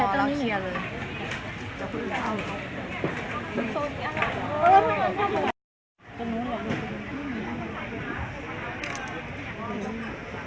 ทุกวันใหม่ทุกวันใหม่